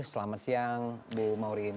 selamat siang bu maureen